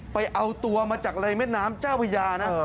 ไปเอาตัวมาจากอะไรแม่น้ำเจ้าพญานะ